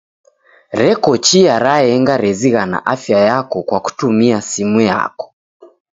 Reko chia raenga rezighana afya yako kwa kutumia simu yako.